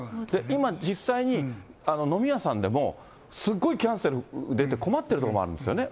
今、実際に、飲み屋さんでもすごいキャンセル出て、困ってる所もあるんですよね。